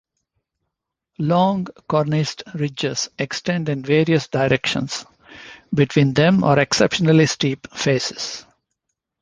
Long, corniced ridges extend in various directions; between them are exceptionally steep faces.